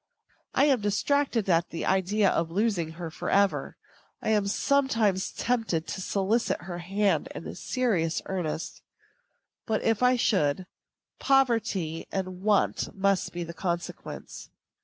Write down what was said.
I am distracted at the idea of losing her forever. I am sometimes tempted to solicit her hand in serious earnest; but if I should, poverty and want must be the consequence.